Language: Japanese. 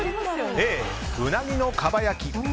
Ａ、うなぎのかば焼き